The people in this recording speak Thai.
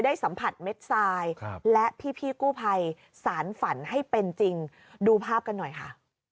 สัมผัสเม็ดทรายและพี่กู้ภัยสารฝันให้เป็นจริงดูภาพกันหน่อยค่ะ